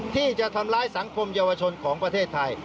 ที่จะทำร้ายสังคมเยาวชนของประเทศไทย